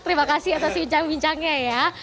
terima kasih atas bincang bincangnya ya